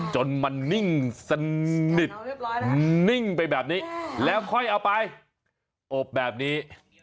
จนมันนิ่งสนิทนิ่งไปแบบนี้แล้วค่อยเอาไปอบแบบนี้